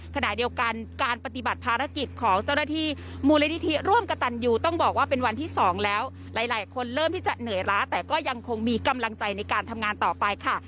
ขณะเดียวกันการปฏิบัติภารกิจของเจ้าหน้าที่มูลนิธิร่วมกระตันยูต้องบอกว่าเป็นวันที่สองแล้วหลายคนเริ่มที่จะเหนื่อยล้าแต่ก็ยังคงมีกำลังใจในการทำงานต่อไปค่ะ